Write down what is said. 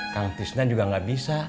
kan tisnya juga gak bisa